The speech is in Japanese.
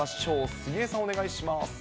杉江さん、お願いします。